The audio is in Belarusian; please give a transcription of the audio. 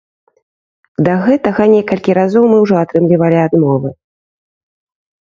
Да гэтага некалькі разоў мы ўжо атрымлівалі адмовы.